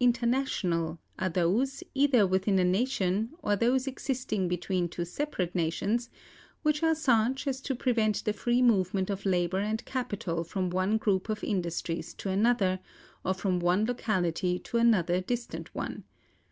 "international" are those, either within a nation, or those existing between two separate nations, which are such as to prevent the free movement of labor and capital from one group of industries to another, or from one locality to another distant one.